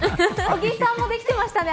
尾木さんもできてましたね。